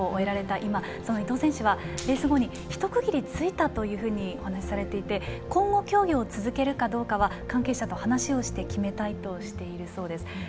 今伊藤選手はレース後に一区切りついたとお話されていて今後、競技を続けるかどうかは関係者と話をして決めたいとしているそうです。